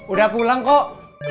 udah pulang kok